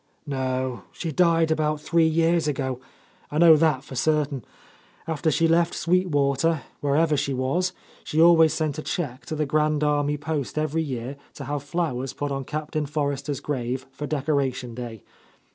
"No, she died about three years ago. I know that for certain. After she left Sweet Water, wherever she was, she always sent a cheque to the Grand Army Post every year to have flowers put on Captain Forrester's grave for Decoration Day.